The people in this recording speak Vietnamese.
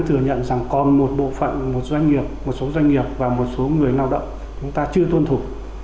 thừa nhận rằng còn một bộ phận một doanh nghiệp một số doanh nghiệp và một số người lao động chúng ta chưa tuân thủ